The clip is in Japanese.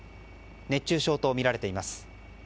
熱中症とみられています。